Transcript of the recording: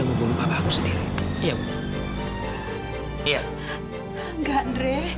yang penting ibu ketemu sama andre